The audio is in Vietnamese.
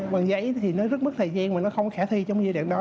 bằng giấy thì nó rất mất thời gian mà nó không khả thi trong giai đoạn đó